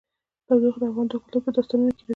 تودوخه د افغان کلتور په داستانونو کې راځي.